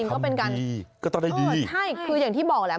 ก็เป็นการดีก็ต้องได้ดีใช่คืออย่างที่บอกแหละ